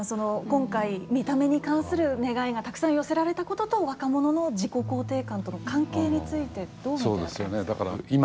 今回、見た目に関する願いがたくさん寄せられたことと若者の自己肯定感との関係についてどう思ってらっしゃいますか？